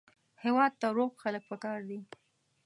هېواد ته روغ خلک پکار دي